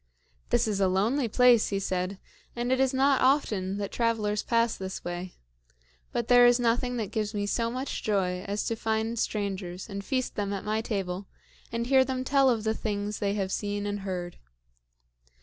"This is a lonely place," he said, "and it is not often that travelers pass this way. But there is nothing that gives me so much joy as to find strangers and feast them at my table and hear them tell of the things they have seen and heard.